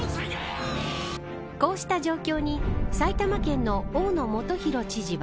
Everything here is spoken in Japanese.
こうした状況に埼玉県の大野元裕知事は。